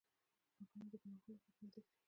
غوږونه د ګناهونو غږ نه تښتي